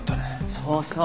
そうそう。